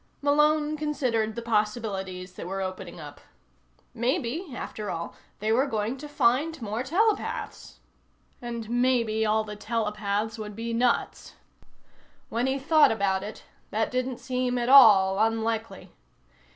Malone considered the possibilities that were opening up. Maybe, after all, they were going to find more telepaths. And maybe all the telepaths would be nuts. When he thought about it, that didn't seem at all unlikely.